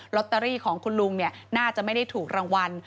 ตเตอรี่ของคุณลุงน่าจะไม่ได้ถูกรางวัล